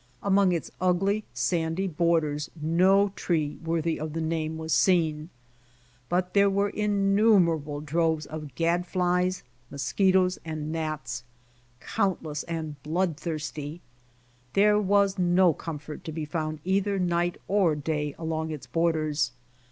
Along its ugly, sandy borders no tree worthy of the name was seen. But there were innumerable droves of gad flies, nit)squitoes, and gnats, countless and blood thirsty. There was no comfort to be found either night or day along its borders.